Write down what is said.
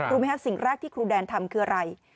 รู้ไหมครับสิ่งแรกที่ครูแดนทำคืออะไร